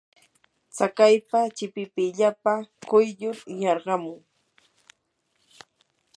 tsakaypa chipipillapa quyllur yarqamun.